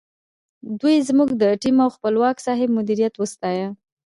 دوی زموږ د ټیم او خپلواک صاحب مدیریت وستایه.